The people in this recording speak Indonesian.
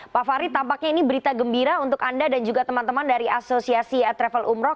pak farid tampaknya ini berita gembira untuk anda dan juga teman teman dari asosiasi travel umroh